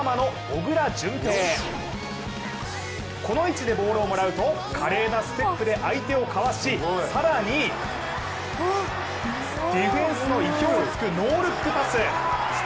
この位置でボールをもらうと華麗なステップで相手をかわし更にディフェンスの意表を突くノールックパス。